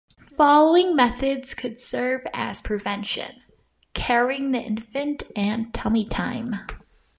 Following methods could serve as prevention: carrying the infant and tummy time.